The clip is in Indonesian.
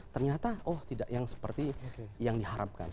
ternyata oh tidak yang seperti yang diharapkan